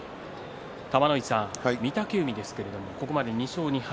玉ノ井さん、御嶽海ですけれどもここまで２勝２敗